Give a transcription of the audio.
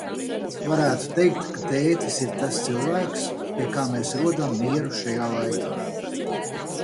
Varētu teikt, ka tētis ir tas cilvēks, pie kā mēs rodam mieru šajā laikā.